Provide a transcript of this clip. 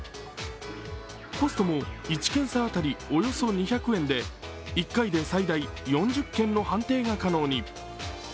コストも１検査当たりおよそ２００円で１回で最大４０件の判定が可能に。